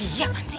iya kan sih